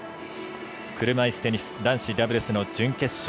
車いすテニス男子ダブルスの準決勝。